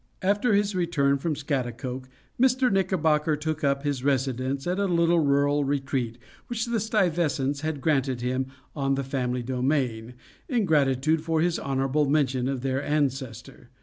After his return from Scaghtikoke, Mr. Knickerbocker took up his residence at a little rural retreat, which the Stuyvesants had granted him on the family domain, in gratitude for his honorable mention of their ancestor.